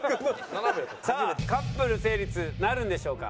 さあカップル成立なるんでしょうか？